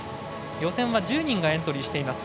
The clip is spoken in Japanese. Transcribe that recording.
予選は１０人がエントリーしています。